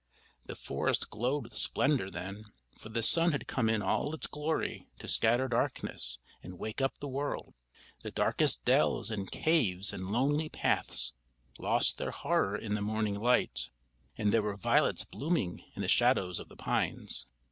The forest glowed with splendor then, for the sun had come in all its glory to scatter darkness and wake up the world. The darkest dells and caves and lonely paths lost their horror in the morning light, and there were violets blooming in the shadows of the pines.